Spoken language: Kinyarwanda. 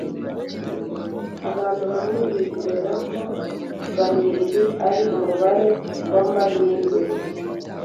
Abantu bamwe bizera ko barindwi ari umubare wamahirwe